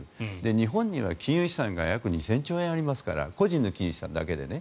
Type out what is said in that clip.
日本には金融資産が約２０００兆円ありますから個人の金融資産だけでね。